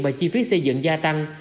và chi phí xây dựng gia tăng